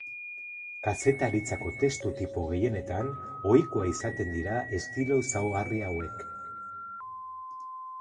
Kazetaritzako testu tipo gehienetan ohikoa izaten dira estilo ezaugarri hauek.